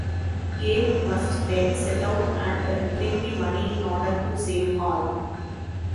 Gabe must then set out and retrieve the money in order to save Hal.